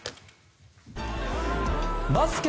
バスケ